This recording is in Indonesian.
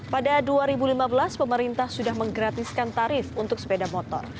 pada dua ribu lima belas pemerintah sudah menggratiskan tarif untuk sepeda motor